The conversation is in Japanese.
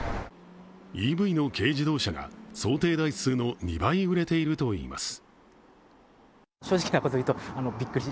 ＥＶの軽自動車が想定台数の２倍売れているといいます。